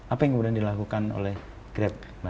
apa yang kemudian dilakukan oleh grab